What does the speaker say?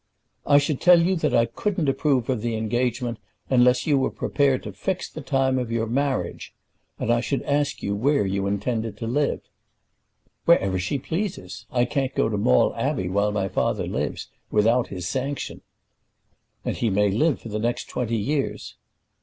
"I should tell you that I couldn't approve of the engagement unless you were prepared to fix the time of your marriage. And I should ask you where you intended to live." "Wherever she pleases. I can't go to Maule Abbey while my father lives, without his sanction." "And he may live for the next twenty years."